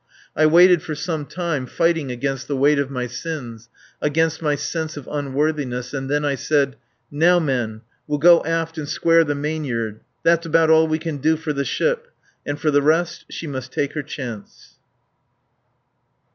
I waited for some time fighting against the weight of my sins, against my sense of unworthiness, and then I said: "Now, men, we'll go aft and square the mainyard. That's about all we can do for the ship; and for the rest she must take her chance."